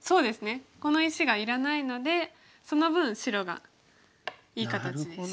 この石がいらないのでその分白がいい形です。